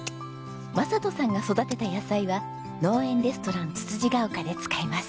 正人さんが育てた野菜は農園レストランつつじヶ丘で使います。